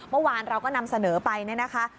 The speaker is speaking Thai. เมื่อวานเราก็นำเสนอไปเนี่ยนะคะ